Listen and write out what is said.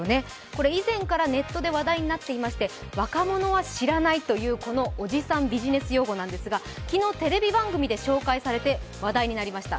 これ、以前からネットで話題になっていまして、若者は知らないというビジネス用語ですが昨日、テレビ番組で紹介されて話題になりました。